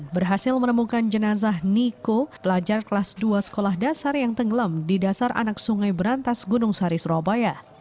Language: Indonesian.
berhasil menemukan jenazah niko pelajar kelas dua sekolah dasar yang tenggelam di dasar anak sungai berantas gunung sari surabaya